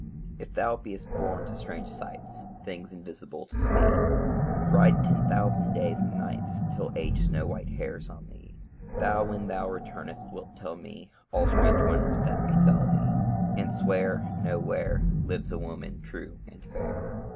If thou be'st born to strange sights, Things invisible to see, Ride ten thousand days and nights Till Age snow white hairs on thee; Thou, when thou return'st wilt tell me All strange wonders that befell thee, And swear No where Lives a woman true and fair.